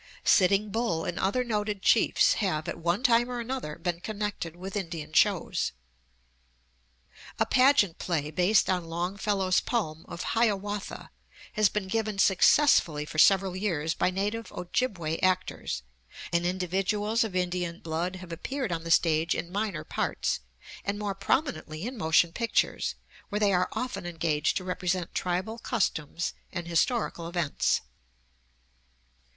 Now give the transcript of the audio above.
Sitting Bull and other noted chiefs have, at one time or another, been connected with Indian shows. A pageant play based on Longfellow's poem of "Hiawatha" has been given successfully for several years by native Ojibway actors; and individuals of Indian blood have appeared on the stage in minor parts, and more prominently in motion pictures, where they are often engaged to represent tribal customs and historical events.